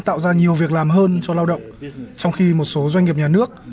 tạo ra nhiều việc làm hơn cho lao động trong khi một số doanh nghiệp nhà nước